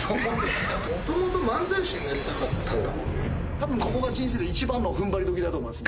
多分、ここが人生で１番の踏ん張りどきだと思います。